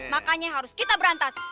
makanya harus kita berantakan